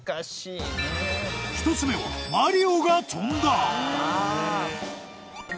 １つ目は、マリオが飛んだ！